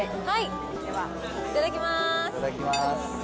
ではいただきます。